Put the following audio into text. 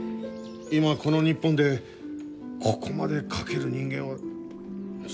今この日本でここまで描ける人間は。